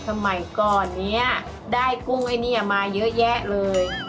ทำไมก่อนนี้ได้กุ้งอันนี้มาเยอะแยะเลย